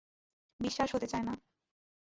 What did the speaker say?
বিশ্বাস হতে চায় না।